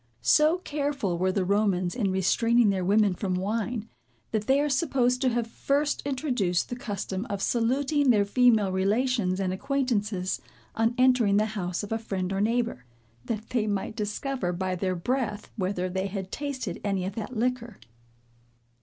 So careful were the Romans in restraining their women from wine, that they are supposed to have first introduced the custom of saluting their female relations and acquaintances, on entering the house of a friend or neighbor, that they might discover by their breath, whether they had tasted any of that liquor.